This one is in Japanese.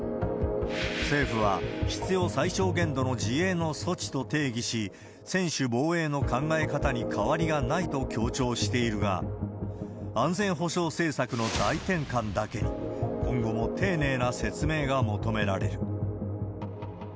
政府は、必要最小限度の自衛の措置と定義し、専守防衛の考え方に変わりがないと強調しているが、安全保障政策の大転換だけに、今後も丁寧な説明が求められる。